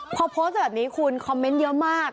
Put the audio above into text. พอโพสต์แบบนี้คุณคอมเมนต์เยอะมาก